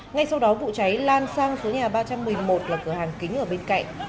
ngay sau đó vụ cháy lan sang số nhà ba trăm một mươi một là cửa hàng kính ở bên cạnh